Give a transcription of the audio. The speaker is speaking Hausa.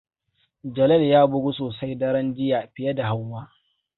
Jalal ya bugu sosai daren jiya fiye da Hauwa.